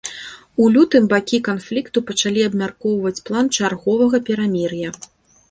У лютым бакі канфлікту пачалі абмяркоўваць план чарговага перамір'я.